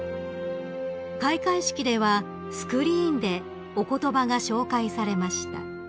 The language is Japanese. ［開会式ではスクリーンでお言葉が紹介されました］